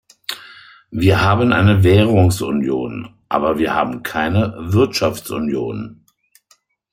Wir haben eine Währungsunion, aber wir haben keine Wirtschaftsunion.